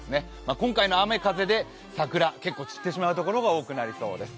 今回の雨風で桜、結構散ってしまうところが多くなりそうです。